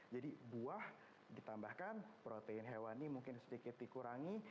jadi buah ditambahkan protein hewan ini mungkin sedikit dikurangi